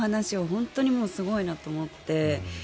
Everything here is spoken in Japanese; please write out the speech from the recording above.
本当にすごいなと思って。